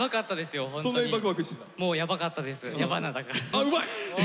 あうまい！